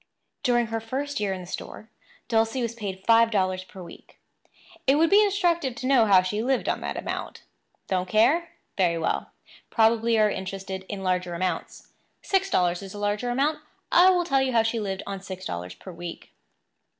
During her first year in the store, Dulcie was paid five dollars per week. It would be instructive to know how she lived on that amount. Don't care? Very well; probably you are interested in larger amounts. Six dollars is a larger amount. I will tell you how she lived on six dollars per week.